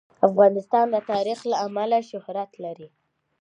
افغانستان د تاریخ له امله شهرت لري.